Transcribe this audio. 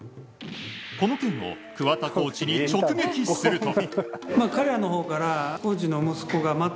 この点を桑田コーチに直撃すると。